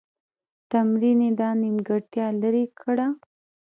تمرین یې دا نیمګړتیا لیري کړه.